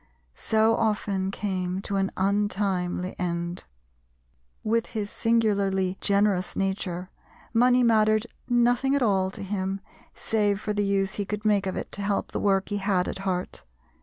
so often came to an untimely end. With his singularly generous nature money mattered nothing at all to him save for the use he could make of it to help the work he had at heart.